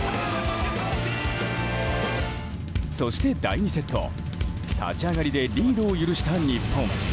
そして第２セット、立ち上がりでリードを許した日本。